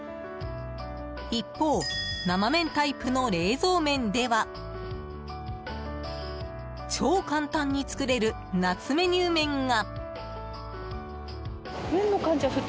一方、生麺タイプの冷蔵麺では超簡単に作れる夏メニュー麺が。